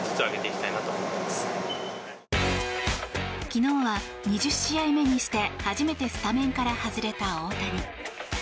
昨日は２０試合目にして初めてスタメンから外れた大谷。